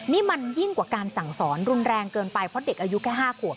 นี่มันยิ่งกว่าการสั่งสอนรุนแรงเกินไปเพราะเด็กอายุแค่๕ขวบ